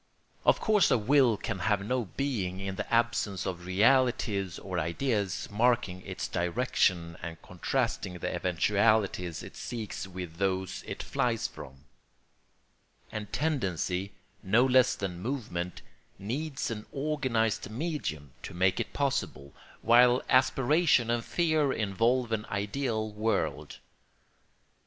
Of course a will can have no being in the absence of realities or ideas marking its direction and contrasting the eventualities it seeks with those it flies from; and tendency, no less than movement, needs an organised medium to make it possible, while aspiration and fear involve an ideal world.